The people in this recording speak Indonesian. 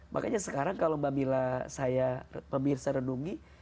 makanya sekarang kalau mba mila saya memirsa renungi